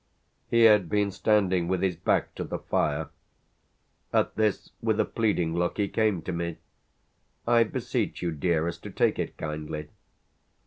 He had been standing with his back to the fire; at this, with a pleading look, he came to me. "I beseech you, dearest, to take it kindly."